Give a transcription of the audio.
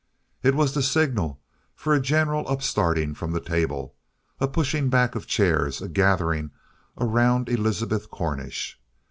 It was the signal for a general upstarting from the table, a pushing back of chairs, a gathering around Elizabeth Cornish.